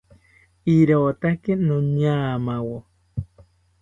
¡Irotake noñamawo!